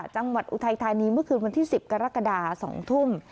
อุทัยธานีเมื่อคืนวันที่๑๐กรกฎา๒ทุ่ม